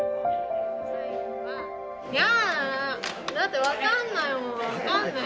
いやだ！だって分かんないもんは分かんない。